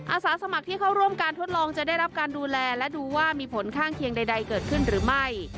อาสาสมัครที่เข้าร่วมการทดลองจะได้รับการดูแลและดูว่ามีผลข้างเคียงใดเกิดขึ้นหรือไม่